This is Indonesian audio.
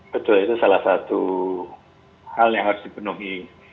betul itu salah satu hal yang harus dipenuhi